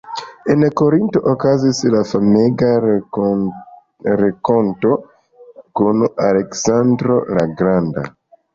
En Korinto okazis la famega renkonto kun Aleksandro la Granda.